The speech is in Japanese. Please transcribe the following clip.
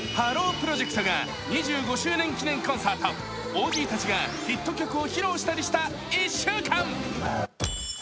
プロジェクトが２５周年記念コンサートＯＧたちがヒット曲を披露したりした１週間。